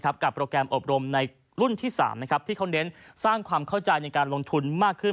โปรแกรมอบรมในรุ่นที่๓ที่เขาเน้นสร้างความเข้าใจในการลงทุนมากขึ้น